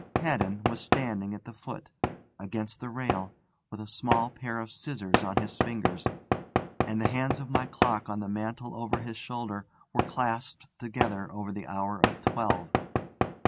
Haddon was standing at the foot, against the rail, with a small pair of scissors on his fingers; and the hands of my clock on the mantel over his shoulder were clasped together over the hour of twelve.